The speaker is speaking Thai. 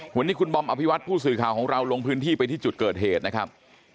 วันนี้คุณบอมอภิวัตผู้สื่อข่าวของเราลงพื้นที่ไปที่จุดเกิดเหตุนะครับ